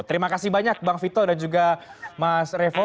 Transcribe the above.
terima kasih banyak bang vito dan juga mas revo